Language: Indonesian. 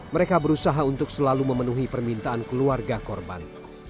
mereka berusaha untuk selalu memenuhi permintaan keluarga korban